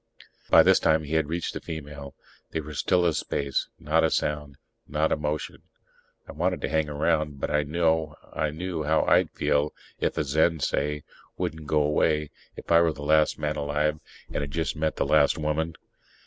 By this time he had reached the female. They were as still as space, not a sound, not a motion. I wanted to hang around, but I knew how I'd feel if a Zen, say, wouldn't go away if I were the last man alive and had just met the last woman.